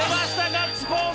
ガッツポーズ！